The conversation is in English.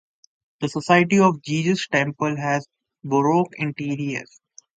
The Society of Jesus temple has baroque interiors.